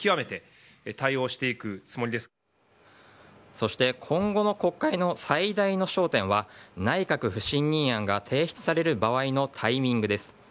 そして今後の国会の最大の焦点は内閣不信任案が提出される場合のタイミングです。